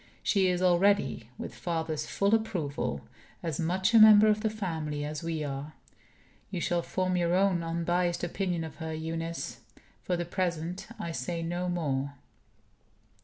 She is already (with father's full approval) as much a member of the family as we are. You shall form your own unbiased opinion of her, Eunice. For the present, I say no more."